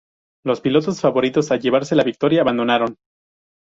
Los pilotos favoritos a llevarse la victoria abandonaron.